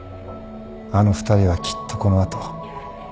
あの２人はきっとこの後。